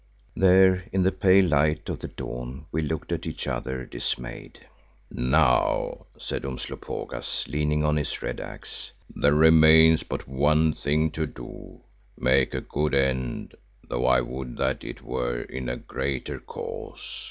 There in the pale light of the dawn we looked at each other dismayed. "Now," said Umslopogaas, leaning on his red axe, "there remains but one thing to do, make a good end, though I would that it were in a greater cause.